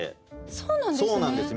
そうなんですね。